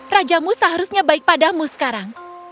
rajamu seharusnya baik padamu sekarang